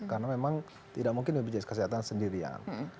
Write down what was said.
karena memang tidak mungkin bpjs kesehatan sendirian